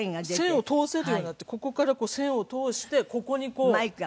線を通せるようになってここから線を通してここにこう。